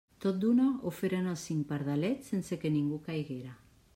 Tot d'una ho feren els cinc pardalets sense que ningú caiguera.